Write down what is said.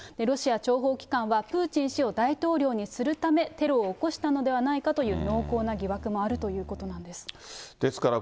ロシア諜報機関は、プーチン氏を大統領にするため、テロを起こしたのではないかという、濃厚な疑惑もあるということなんです。